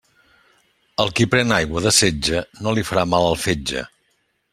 Al qui pren aigua de setge no li farà mal el fetge.